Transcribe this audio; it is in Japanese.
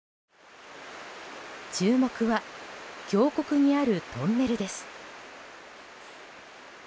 注目は峡谷にあるトンネルです。